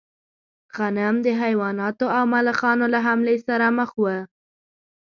غنم د حیواناتو او ملخانو له حملې سره مخ و.